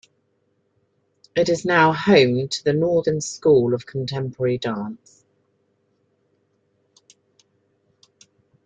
It is now home to the Northern School of Contemporary Dance.